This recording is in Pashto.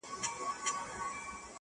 د عقل سوداګرو پکښي هر څه دي بایللي،